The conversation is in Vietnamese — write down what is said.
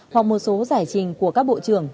hoặc một số giải trình của các bộ trưởng